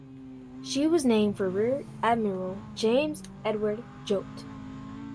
She was named for Rear admiral James Edward Jouett.